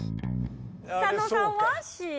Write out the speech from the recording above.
佐野さんはＣ。